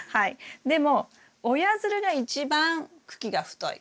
でも親づるが一番茎が太い。